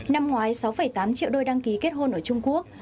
năm ngoái sáu tám triệu đôi đăng ký kết hôn ở trung quốc